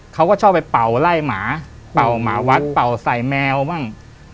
เขาก็ชอบไปเป่าไล่หมาเป่าหมาวัดเป่าใส่แมวบ้าง